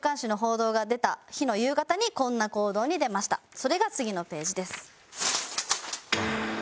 それが次のページです。